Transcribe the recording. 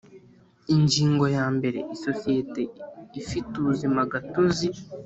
Ingingo ya mbere Isosiyete ifite ubuzima gatozi